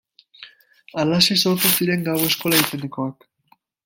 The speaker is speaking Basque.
Halaxe sortu ziren gau-eskola izenekoak.